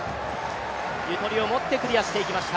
ゆとりをもってクリアしていきました。